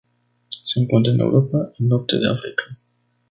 Se encuentra en Europa y Norte de África.